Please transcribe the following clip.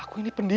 aku ini pendidik